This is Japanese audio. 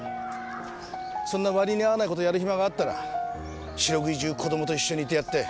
そんな割に合わない事やる暇があったら四六時中子供といてやって。